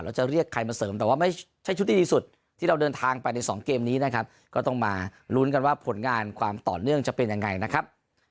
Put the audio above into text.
แล้วจะเรียกใครมาเสริมแต่ว่าไม่ใช่ชุดที่ดีสุดที่เราเดินทางไปในสองเกมนี้นะครับก็ต้องมาลุ้นกันว่าผลงานความต่อเนื่องจะเป็นยังไงนะครับ